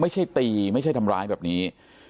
ไม่ใช่ตีไม่ใช่ทำร้ายแบบนี้